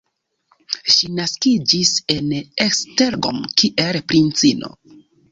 Ŝi naskiĝis en Esztergom, kiel princino.